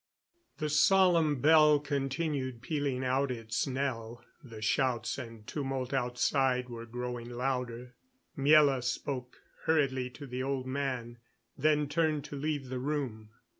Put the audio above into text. The solemn bell continued pealing out its knell; the shouts and tumult outside were growing louder. Miela spoke hurriedly to the old man, then turned to leave the room.